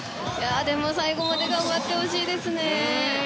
最後まで頑張ってほしいですね。